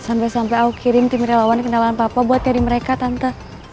sampai sampai aku kirim tim relawan kenalan papa buat jadi mereka tante